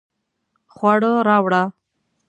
خواړه راوړه